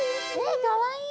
えかわいい！